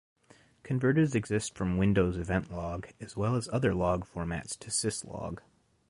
Converters exist from Windows Event Log as well as other log formats to syslog.